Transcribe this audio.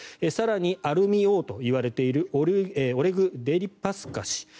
更にアルミ王といわれているオレグ・デリパスカ氏。